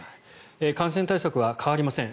感染対策は変わりません。